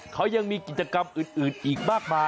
เขายังมีกิจกรรมอื่นอีกมากมาย